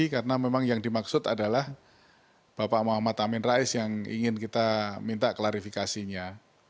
karena memang yang dimaksud adalah bapak muhammad amin rais yang ingin kita minta klarifikasinya